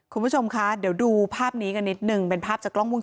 คุณผู้ชมคะเดี๋ยวดูภาพนี้กันนิดนึงเป็นภาพจากกล้องวง